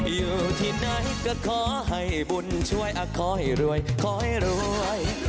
อยู่ที่ไหนก็ขอให้บุญช่วยอ่ะขอให้รวยขอให้รวย